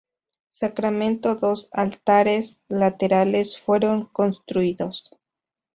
Sacramento dos altares laterales fueron construidos.